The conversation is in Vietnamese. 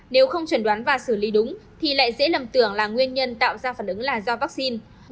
nếu không trần đoán và xử lý đúng thì lại dễ lầm tưởng là nguyên nhân tạo ra phản ứng là do vaccine